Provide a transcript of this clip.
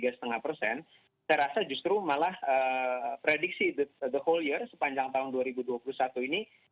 saya rasa justru malah prediksi the whole year sepanjang tahun dua ribu dua puluh satu ini